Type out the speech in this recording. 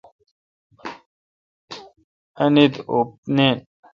انیت اوپ نین۔